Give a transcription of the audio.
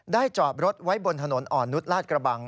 ได้จอบรถไว้บนถนนอ่อนนุดลาดกระบัง